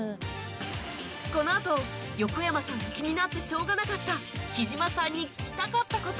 このあと横山さんが気になってしょうがなかった貴島さんに聞きたかった事